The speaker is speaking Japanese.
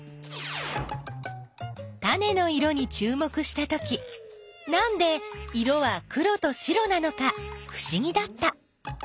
タネの色にちゅう目したときなんで色は黒と白なのかふしぎだった。